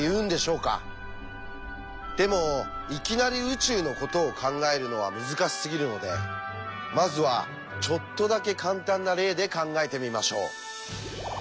でもいきなり宇宙のことを考えるのは難しすぎるのでまずはちょっとだけ簡単な例で考えてみましょう。